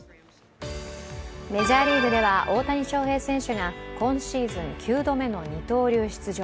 メジャーリーグでは大谷翔平選手が今シーズン９度目の二刀流出場。